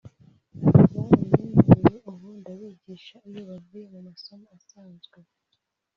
barabinyemerera ubu ndabigisha iyo bavuye mu masomo asanzwe